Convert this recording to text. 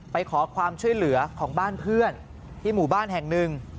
ไปขอความช่วยเหลือของบ้านเพื่อนที่หมู่บ้านแห่งหนึ่ง